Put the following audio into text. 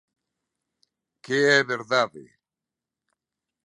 Que é verdade.